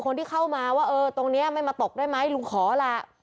คนที่เข้ามาว่าเออตรงนี้ไม่มาตกได้ไหมลุงขอล่ะ